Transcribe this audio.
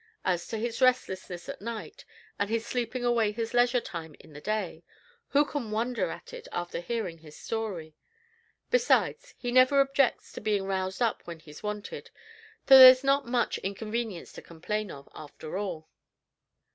As for his restlessness at night, and his sleeping away his leisure time in the day, who can wonder at it after hearing his story? Besides, he never objects to being roused up when he's wanted, so there's not much inconvenience to complain of, after all."